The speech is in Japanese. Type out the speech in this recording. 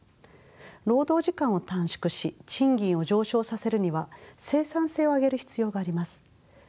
労働時間を短縮し賃金を上昇させるには生産性を上げる必要があります。